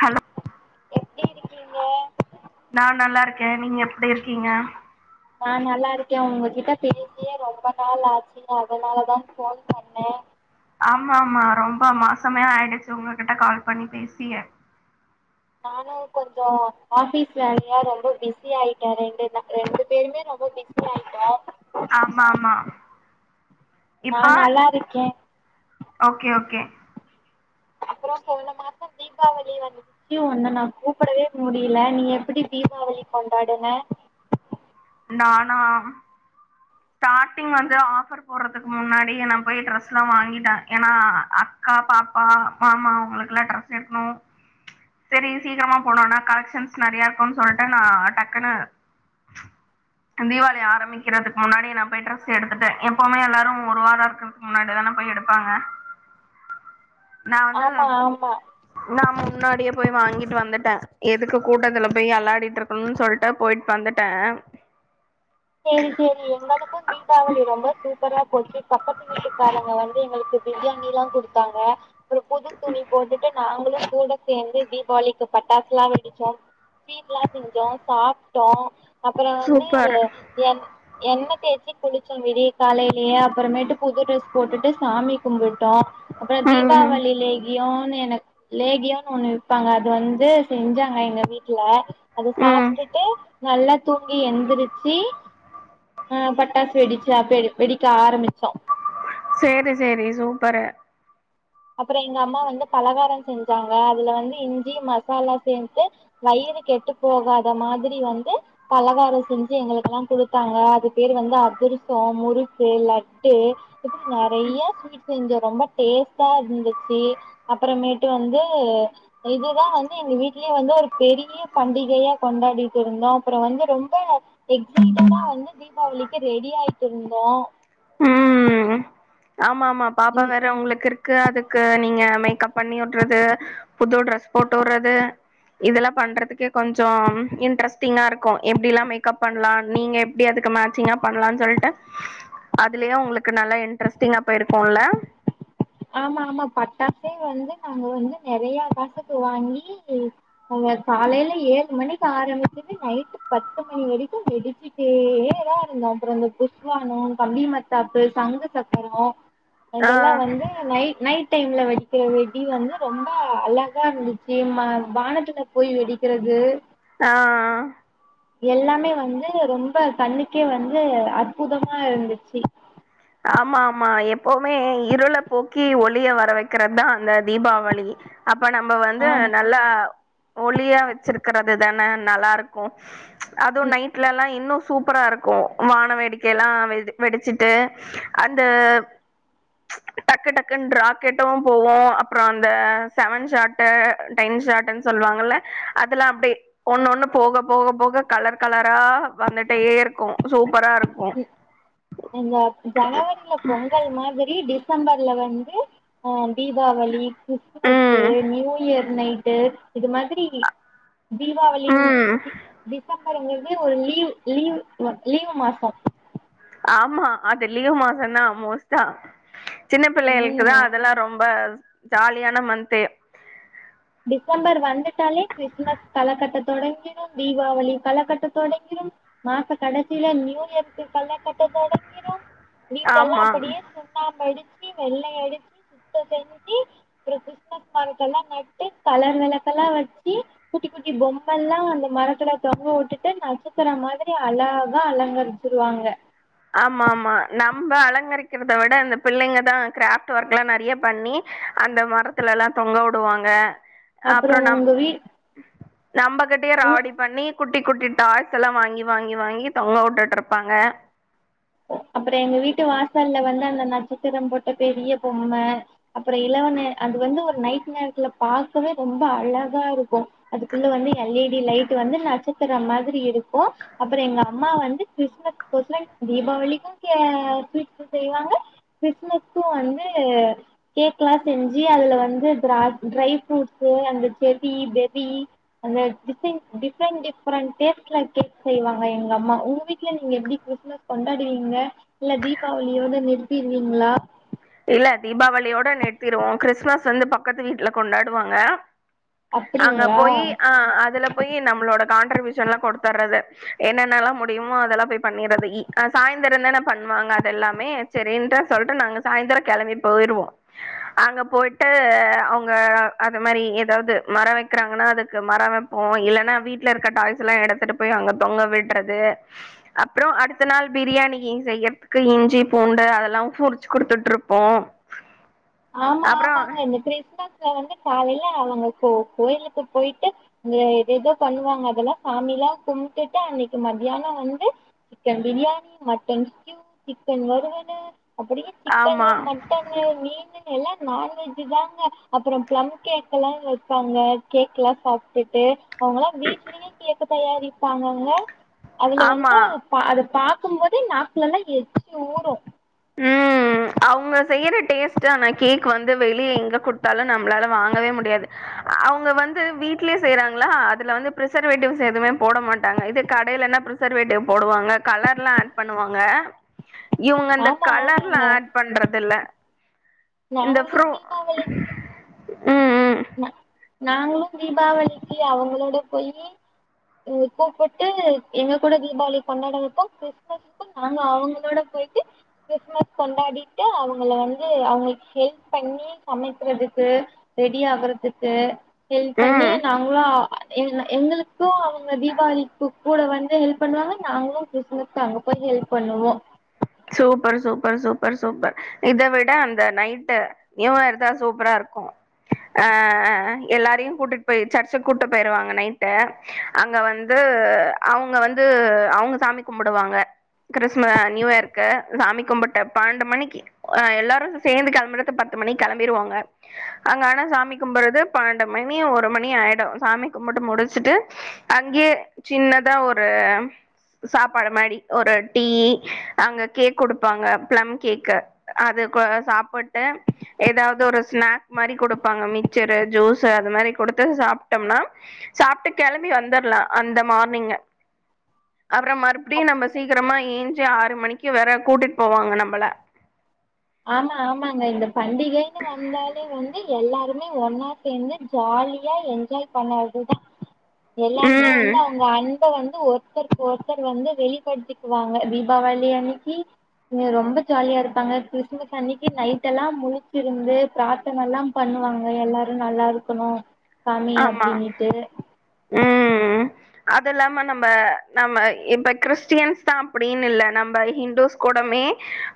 hello எப்டி இருக்கீங்க நா நல்லா இருக்கே நீங்க எப்டி இருக்கீங்க நா நல்லாருக்கே உங்ககிட்ட பேசியே ரொம்ப நாள் ஆச்சு அதனாலதா போன் பண்ணே ஆமா ஆமா ரொம்ப மாசமே ஆயிடுச்சு உங்ககிட்ட கால் பண்ணி பேசிய நானு கொஞ்ச ஆபிஸ் வேலையா ரொம்ப பிஸி ஆயிட்டே ரெண்டு ரெண்டு பேருமே ரொம்ப பிஸி யாய்ட்ட ஆமா ஆமா நா இப்ப நல்லா இருக்கே ஓகே ஓகே அப்பற போன மாச தீபாவளி வந்துச் சி ஒன்ன நா கூப்படவே முடியல நீ எப்படி தீபாவளி கொண்டாடுன நானா ஸ்டார்ட்டிங் வந்து ஆஃபர் போடுறதுக்கு முன்னாடியே நா போய் ட்ரெஸ் எலா வாங்கிட்டே ஏன்னா அக்கா பாப்பா மாமா உங்களுக்குல்லா ட்ரெஸ் எக்கணு சரி சீக்கிரமா போனுனா கலெக்ஷன்ஸ் நெறைய இருக்குன்னு சொல்ட்டு நா டக்குன்னு தீபாவளி ஆரம்பிக்கிறதுக்கு முன்னாடியே நா போய் ட்ரெஸ் எடுத்துடே எப்பவுமே எல்லாரு ஒரு வாரோ இருக்கிறதுக்கு முன்னாடிதான போய் எடுப்பாங்க நா ஆமா வந்து ஆமா நா முன்னாடியே போய் வாங்கிட்டு வந்துட்டே எதுக்கு கூட்டத்துல போய் அளாடிட்ருக் னு சொல்லிட்ட போயிட்டு வந்துட்டே சரி சரி எங்களுக்கு தீபாவளி ரொம்ப சூப்பரா போச்சு பக்கத்து வீட்டுக்காரங்க வந்து எங்களுக்கு பிரியாணிதா குடுத்தாங்க அப்பற புது துணி போட்டுட்டு நாங்களு கூட சேந்து தீபாவளிக்கு பட்டாசுல்லா வெடிச்சோ ஸ்வீட்ல்லா செஞ்சோ சாப்ட்டோ அப்பற வந்து ஒரு சூப்பர் என் எண்ணெ தேச்சி குளிச்சோ விடிய காலைலயே அப்புறமேட்டு புது ட்ரெஸ் போட்டுட்டு சாமி கும்பிட்டோ அப்புற ம் தீபாவளி லேகியோனு எனக் லேகியோன்னு ஒண்ணு வெப்பாங்க அது வந்து செஞ்சாங்க எங்க வீட்ல அத ம் சாப்ட்டுட்டு நல்லா தூங்கி எந்திரிச்சு ஆ பட்டாசு வெடிச்சா பெ வெடிக்க ஆரம்பிச்சோ சேரி சேரி சூப்பரு அப்புற எங்க அம்மா வந்து பலகார செஞ்சாங்க அதுல வந்து இஞ்சி மசாலா சேத்து வயிறு கெட்டு போகாத மாதிரி வந்து பலகார செஞ்சு எங்களுக்குல்லா குடுத்தாங்க அது பேரு வந்து அதிரசொ முறுக்கு லட்டு இப்டி நெறைய ஸ்வீட் செஞ்சோ ரொம்ப டேஸ் டா இருந்துச்சு அப்புறமேட்டு வந்து இதுதா வந்து எங்க வீட்லயே வந்து ஒரு பெரிய பண்டிகையா கொண்டாடிட்டு இருந்தோ அப்புற வந்து ரொம்ப எக்சைடட்டா வந்து தீபாவளிக்கு ரெடி ஆயிட்டு இருந்தோ ம் ஆமா ஆமா பாப்பா வேற உங்களுக்கு இரு க்கு அதுக்கு நீங்க மேக்கப் பண்ணி வுடுறது புது ட்ரெஸ் போட்டு வுடுறது இதெல்லா பண்றதுக்கு கொஞ்சோ இன்ட்ரெஸ்டிங்கா இருக்கு இப்டிலா மேக்கப் பண்லா நீங்க எப்டி அதுக்கு மேச்சிங்கா பண்லா சொல்ட்டு அதுலயே உங்களுக்கு நல்லா இன் டரெஸ்சிங் அப்ப இருக்கோல ஆமா ஆமா பட்டாசே வந்து நாங்க வந்து நெறைய காசுக்கு வாங்கி இ அங்க காலைல ஏழு மணிக்கு ஆரம்பிச்சுட்டு நைட்டு பத்து மணி வரைக்கு வெடிச்சு டுதே தா இருந்தோ அப்ற இந்த புஸ்வானோ கம்பி மத்தாப்பு சங்கு சக்கரோ அதல்லா வந்து ஆ நை நைட் டைம்ல வெடிக்கிறது வெடி வந்து ரொம்ப அழகா இருந்துச்சு வ வானத்துல போய் வெடிக்கிறது ஆ எல்லாமே வந்து ரொம்ப கண்ணுக்கே வந்து அற்புதமா இருந்துச்சு ஆமா ஆமா எப்பவுமே இருள போக்கி ஒளிய வர வைக்கிறதா அந்த தீபாவளி அப்ப நம்ப வந்து ஆமா நல்லா ஒளியா வெச்சிருக்கறது தானே நல்லா இருக்கு அதுவு நைட்ல எல்லா இன்னு சூப்பரா இருக்கு வான வேடிக்கை எல்லா வெடி வெடிச்சிட்டு அந்த [inaudible] டக்கு டக்குன்னு ராக்கெட்டு போவொ அப்றோ அந்த செவன் ஷாட்டு டென் ஷாட்டுன்னு சொல்லுவாங்கல்ல அதல்லா அப்டே ஒண்ணு ஒண்ணு போக போக போக கலர் கலரா வந்துட்டே இருக்கு சூப்பரா இருக்கு இந்த ஜனவரில பொங்கல் மாதிரி டிசம்பர்ல வந்து ஆ தீபாவளி கிறிஸ்மஸு ம் நியூயர் நைட்டு இது மாதிரி தீபாவளி ம் டி டிசம்பர்ங்குறது ஒரு லீவ் லீவ் லீவு மாசொ ஆமா அது லீவ் மாசந்தா மோஸ்டா சின்ன பிள்ளைகளுக்குளா ம் அதெல்லா ரொம்ப ஜாலியான மந்த்து டிசம்பர் வந்துட்டாலே கிறிஸ்மஸ் கலக்கட்ட தொடங்கிடு தீபாவளி கலக்கட்ட தொடங்கிரு மாச கடைசில நியூயருக்கு கல கட்ட தொடங்கிரு வீட்டெல்லா ஆமா அப்டியே சு சுண்ணாம்பு அடிச்சு வெள்ளயடிச்சு சுத்த செஞ்சு அப்புற கிறிஸ்மஸ் மரதெல்லா நட் டு கலர் வெளக்கல்லா வச்சி குட்டி குட்டி பொம்மல்லா அந்த மரத்துல தொங்க வுட்டுட்டு நட்சத்திர மாதிரி அழகா அழங்கரி ச்சுருவாங்க ஆமா ஆமா நம்ப அலங்கரிக்கிறத விட இந்த பிள்ளைங்க தா கிராஃப்ட் ஒர்க்ல்லா நெறைய பண்ணி அந்த மரத்துலலா தொங்க உடுவாங்க அப்புறோ அப்பறோ நம் உங்க வீ நம்பகிட்டயே உ ராவடி பண்ணி குட்டி குட்டி டாய்ஸ் எல்லா வாங்கி வாங்கி வாங்கி தொங்க உட்டுட்டுருப்பாங்க அப்பறோ எங்க வீட்டு வாசல்ல வந்து அந்த நட்சத்திரம் போட்ட பெரிய பொம்ம அப்பறோ இலவனு அது வந்து ஒரு நைட் நேரத்துல பாக்கவே ரொம்ப அழகா இருக்கு அதுக்குள்ள வந்து எல் ஐ டி லைட் வந்து நட்ச த்திர மாரி இருக்கு அப்பறோ எங்க அம்மா வந்து கிறிஸ்மஸ் ஷ்பெஷல் தீபாவளிக்கு க ஸ்வீட் செய்வாங்க கிறிஸ்மஸ்கு வந்து கேக்லா செஞ்சு அதுல வந்து ட்ரா ட்ரை ஃப்ரூட்ஸு அந்த செர்ரி பெர்ரி அந்த டிசைன் டிசைன் டிஃப்ரெண்ட் டேஸ்ட்ல கேக் செய்வாங்க எங்க அம்மா உங்க வீட்டுல நீங்க எப்டி கிறிஸ்மஸ் கொண்டாடுவீங்க இல்ல தீபாவளியோட நிறுத்திருவீங்ளா இல்ல தீபாவளியோட நிறுத்திருவோம கிறிஸ்மஸ் வந்து பக்கத்து வீட்ல கொண்டாடுவாங்க அங்க அப்டிங்களா போயி அ அதுல போயி நம்மளோட கான்ட்ரிபியூஷன்லா கொடுத்தர்றது என்னென்னலா முடியுமோ அதெல்லா போய் பண்ணிறது ஈ சாயந்தார தான பண்ணுவாங்க அது எல்லாமே சரின்ட சொல்லிட்டு நாங்க சாய்ந்தர கெளம்பி போயிருவோ அங்க போயிட்டு அவுங்க அது மாரி எதாவது மர வைக்கிறாங்கன்னா அதுக்கு மர வப் போ இல்லன்னா வீட்ல இருக்க டாய்ஸ் எல்லா எடுத்துட்டு போயி அங்க தொங்க விட்றது அப்பறோ அடுத்த நாள் பிரியாணி செய்றதுக்கு இஞ்சி பூண்டு அதெல்லா உரிச் சு குடுத்துட்டு இருப்போ ஆமா ஆமாங்க இந்த கிறிஸ்மஸ் அவுங்க வந்து காலயில அவுங்க கோ கோயிலுக்கு போயிட்டு ஏதேதோ பண்ணுவாங்க அதெல்லா சாமில்லா கும்ட்டுட்டு அன்னிக்கு மத்தியான வந்து சிக்கன் பிரியாணி மட்டன் ஸ்கியூ சிக்கன் வருவலு அப்டியே சிக்கன்னு ஆமா மட் டனு மீன் சிக்கன் எல்லா நான்வெஜ் தாங்க அப்புறம் பிளம் கேக் எல்லா வைப்பாங்க கேக்ல்லா சாப்ட்டுட்டு அவங்களா வீட்லயே கேக்கு தயாரிப்பாங்கங்க அதுல வந்து ஆமா அத பாக் பாக்கும் போதே நாக்குல்லலா எச்சு ஊரு ம் அவுங்க செய்யற டேஸ்ட்டு அந்த கேக் வந்து வெளியே எங்க குடுத்தாலு நம்மளால வாங்கவே முடியாது அவுங்க வந்து வீட்லயே செய்றாங்களா அதுல வந்து ப்ரிசர்வேட்டிவ்ஷ் எதுவுமே போட மாட்டாங்க இது கடையிலன்னா ப்ரி ஷர்வேட்டிவ் போடுவாங்க கலர்ல்லா ஆட் பண்ணுவாங்க இவுங்க இந்த ஆமா கலர்லா ஆமாங்க ஆட் பண்றது இல்ல இந்த நாங்களு ஃப்ரூ தீபாவளி ம் நா நாங்களு தீபாவளிக்கு அவுங்களோட போயீ ம் கூப்புட்டு எங்க கூட தீபாவளி கொண்டாட வெப்போ கிறிஸ்மஸுக்கு நாங்க அவுங்களோட போயிட்டு கிறிஸ்மஸ் கொண்டாடிட்டு அவுங்கள வந்து அவுங்களுக்கு ஹெல்ப் பண்ணி சமைக்கிறதுக்கு ரெடியாகுறதுக்கு ஹெல்ப் ம் பண்ணி ம் நா ங்களா எங் எங்களுக்கு அவுங்க தீபாவளிக் கூ கூட வந்து ஹெல்ப் பண்ணுவாங்க நாங்களு கிறிஸ்மஸ் அங்க போய் ஹெல்ப் பண்ணுவோ சூப்பர் சூப்பர் சூப்பர் சூப்பர் இத விட அந்த நைட்டு நியூ இயர் தா சூப்பரா இருக்கு ஆ அ எல்லாரையு கூட்டிட்டு போய் சர்ச்சுக்கு கூட்டு போயிருவாங்க நைட்டு அங்க வந்து அவுங்க வந்து அவுங்க சாமி கும்முடுவாங்க கிறிஸ்ம நியூயர்க்கு சாமி கும்புட்ட பணன்டு மணிக்கு அ எல்லாரு சேர்ந்து கெளம்புறதுக்கு பத்து மணிக் கெளம்பிருவாங்க அங்க ஆனா சாமி கும்புறது பண்ணண்டு மணி ஒரு மணி ஆய்டு சாமி கும்புட்டு முடிச்சுட்டு அங்யே சின்னதா ஒரு சாப்பாடு மாரி ஒரு டீ அங்க கேக் குடுப்பாங்க ப்ளம் கேக்கு அது கொ சாப்புட்டு எதாவ்து ஒரு ஸ்நாக் மாரி குடுப்பாங்க மிச்சரு ஜூஸு இந்த மாரி குடுத்து சாப்ட்டம்னா சாப்ட்டு கெளம்பி வந்துர்லா அந்த மார்னிங்கு அப்றம் மறுப்டியு அப் நம்ம சீக்கிரமா ஏஞ் ச்சு ஆறு மணிக்கு வேற கூட்டிட் போவாங்க நம்பள ஆமா ஆமாங்க இந்த பண்டிகைன்னு வந்தாலே வந்து எல்லாருமே ஒன்னா சேந்து ஜாலியா என்ஜாய் பண்ணற்துதா எல்லாருமே ம் வந்து அவ்ங்க அன் ப வந்து ஒருத்தருக்கு ஒருத்தர் வந்து வெளிப்படுத்திக்குவாங்க தீபாவளி அன்னிக்கி இங்க ரொம்ப ஜாலியா இருப்பாங்க கிறிஸ் மஸ் அன்னிக்கு நைட்டெல்லா முழிச்சிருந்து பிராத்தனலா பண்ணுவாங்க எல்லாரு நல்லா இருக்கணு சாமி ஆமா அப்டினுட்டு ம் அதில்லாம நம்ப நம்ம இப்ப கிறிஸ்டியன்ஸ்தா அப்புடின் இல்ல நம்ம ஹிந்டூஸ் கூடமே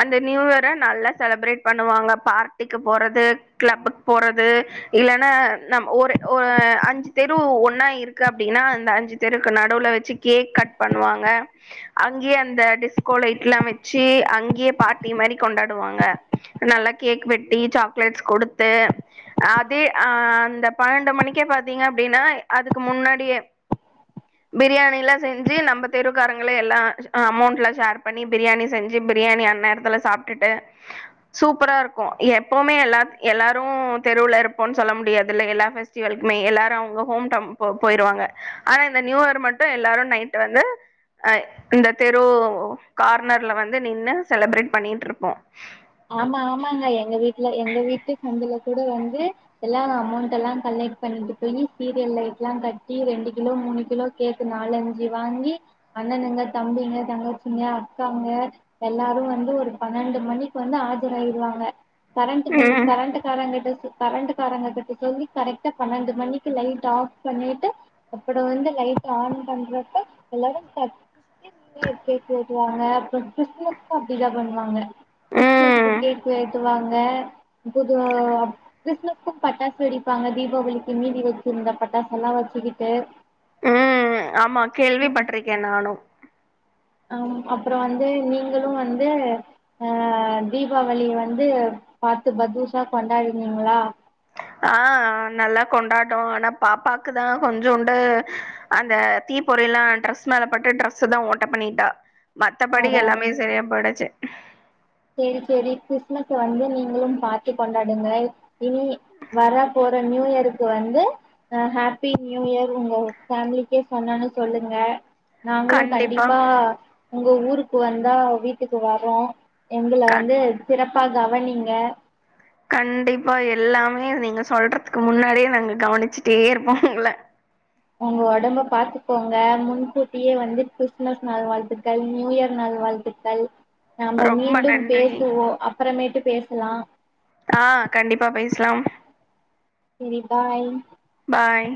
அந்த நியூயர நல்லா செலப்ரேட் பண்ணுவாங்க பார்ட்டிக்கு போறது கிளப்புக் போறது இல்லனா நம் ஒரு ஒ அ அஞ்சு தெரு ஒன்னா இருக்கு அப்டினா அந்த அஞ்சு தெருக்கு நடுல வச்சு கேக் கட் பண்ணுவாங்க அங்கியே அந்த டிஸ்கோ லைட்லா வச்சு அங்கியே பார்ட்டி மாரி கொண்டாடுவாங்க நல்லா கேக் வெட்டி சாக்லேட்ஸ் குடுத்து அதே அ அந்த பனன்டு மணிக்கே பாத்தீங்க அப்டினா அதுக்கு முன்னாடியே பிரியாணிலா செஞ்சு நம்ம தெருக்காரங்களே எல்லா அ அமௌண்ட்லா ஷேர் பண்ணி பிரியாணி செஞ்சு பிரியாணி அன்நேரத்துல சாப்ட்டுட்டு சூப்பரா இருக்கூ எப்பவுமே எல்லாத் எல்லாரூ தெருவுல இருப்போன் சொல்ல முடியாதுல எல்லா ஃபெஸ்டிவல்க்மே எல்லாரு அவ்ங்க ஹோம் டவுன் போ போயிருவாங்க ஆனா இந்த நியூயரு மட்டு எல்லாரு நைட்டு வந்து அ இந்த தெரூ கார்னர்ல வந்து நின்னு செலப்ரேட் பண்ணிட்ருப்போ ஆமா ஆமாங்க எங்க வீட்ல எங்க வீட்டு சந்துல கூட வந்து எல்லா அமௌண்டெல்லா கலெக்ட் பண்ணிட்டு போயி சீரியல் லைட்லாகட்டி ரெண்டு கிலோ மூணு கிலோ கேக்கு நாலஞ்சு வாங்கி அண்ணனுங்க தம்பிங்க தங்கச்சிங்க அக்காங்க எல்லாரு வந்து ஒரு பண்ணண்டு மணி க்கு வந்து ஆஜராய்டுவாங்க கரண்ட்டு பில்லு ம் கரண்ட்டு காரங்கட்ட சொ கரண்டு காரங்ககிட்ட சொல்லி கரெக்ட்டா பணண்டு மணிக்கு லைட் ஆஃப் பண்ணிட்டு அப்புறோ வந்து லைட்டு ஆன் பண்றப்ப எல்லாரு கத் தி நியூயர் கேக் வெட்டுவாங்க அப்புறோ கிறிஸ்மஸ்க்கு அப்டிதா பண்ணுவாங்க கிறிஸ்மஸ்க்கு ம் கேக்கு வெட்டுவாங்க பொது அப் கிறிஸ்மஸ் க்கு பட்டாசு வெடிப்பாங்க தீபாவளிக்கு மீதி வச்சிருந்த பட்டாசெலா வச்சுக்கிட்டு ம் ஆமா கேள்விப்பட்ருக்கே நானு அம் அப்புறோ வந்து நீங்களு வந்து அ தீபாவளி வந்து பாத்து பத்தூசா கொண்டாடுணீங்ளா ஆ நல்லா கொண்டாட்டோ ஆனா பாப்பாக்குதா கொஞ்சோண்டு அந்த தீப்பொறிலா டிரெஸ் மேல பட்டு டிரெஸுதா ஓட்ட பண்ணிட்டா மத்தபடி அட எல்லாமே செரியா போய்டுச்சு செரி செரி கிறிஸ்மஸ்ஸ வந்து நீங்களு பாத்து கொண்டாடுங்க இனி வரப்போற நியூ இயரு க்கு வந்து அ ஹேப்பி நியூ இயர் உங்க பேமிலிக்கே சொன்னன்னு சொல்லுங்க நாங்களு கண்டிப்பா உங்க ஊருக்கு வந்தா வீட்டுக்கு வரோ எங்கள க வந்து சிறப்பா கவனிங்க கண்டிப்பா எல்லாமே நீங்க சொல்றதுக்கு முன்னாடியே நாங்க கவனிச்சுட்டே இருப்போ உங்கள உங்க ஒடம்ப பாத்துக்கோங்க முன்கூட்டியே வந்து கிறிஸ்துமஸ் நல் வாழ்த்துக்கள் நியூ இயர் நல் வாழ்த்து க்கள் நம்ம ரொம்ப மீண்டும் நன்றி பேசுவோ அப்புறமேட்டு பேசலா ஆ கண்டிப்பா பேசலாம் செரி பாய் பாய்